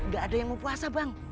gak ada yang mau puasa bang